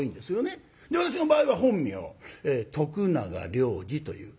私の場合は本名徳永良治という。